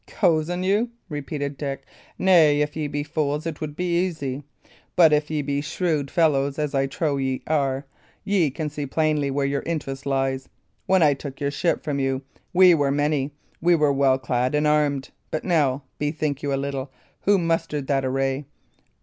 "Cozen you!" repeated Dick. "Nay, if ye be fools, it would be easy. But if ye be shrewd fellows, as I trow ye are, ye can see plainly where your interest lies. When I took your ship from you, we were many, we were well clad and armed; but now, bethink you a little, who mustered that array?